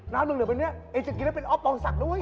น้ำหนึ่งเหลือเป็นเนื้อไอ้จะกินแล้วเป็นออฟตรงสักนะเว้ย